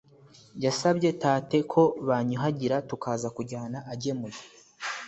yasabye tate ko banyuhagira tukaza kujyana agemuye.